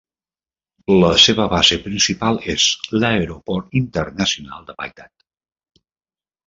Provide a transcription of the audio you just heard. La seva base principal és l'aeroport internacional de Bagdad.